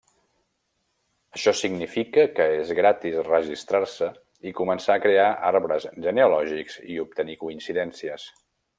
Això significa que és gratis registrar-se i començar a crear arbres genealògics i obtenir coincidències.